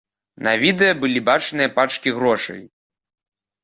На відэа былі бачныя пачкі грошай.